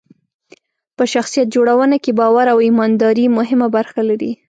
په شخصیت جوړونه کې باور او ایمانداري مهمه برخه لري.